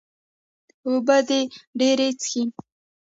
اوبۀ دې ډېرې څښي